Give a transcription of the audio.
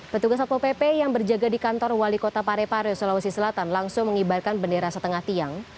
petugas satpol pp yang berjaga di kantor wali kota parepare sulawesi selatan langsung mengibarkan bendera setengah tiang